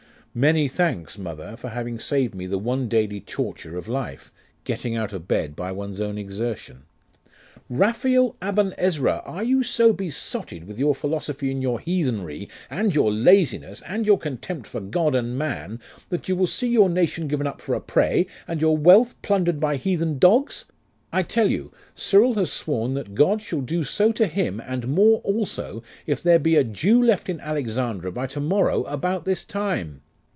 'Many thanks, mother, for having saved me the one daily torture of life getting out of bed by one's own exertion.' 'Raphael Aben Ezra! are you so besotted with your philosophy and your heathenry, and your laziness, and your contempt for God and man, that you will see your nation given up for a prey, and your wealth plundered by heathen dogs? I tell you, Cyril has sworn that God shall do so to him, and more also, if there be a Jew left in Alexandria by to morrow about this time.